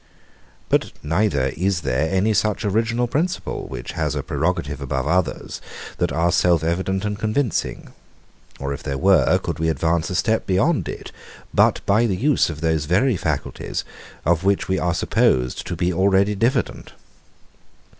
But neither is there any such original principle, which has a prerogative above others, that are self evident and convincing: or if there were, could we advance a step beyond it, but by the use of those very faculties, of which we are supposed to be already diffident.